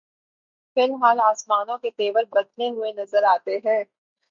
فی الحال آسمانوں کے تیور بدلے ہوئے نظر آتے ہیں۔